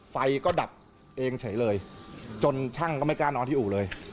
ไฟก็ดับเองเฉยเลยจนช่างก็ไม่กล้านอนที่อู่เลย